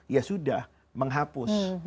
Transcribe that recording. ya sudah menghapus